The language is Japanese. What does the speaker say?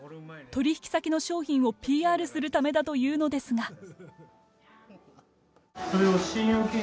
取引先の商品をＰＲするためだというのですが。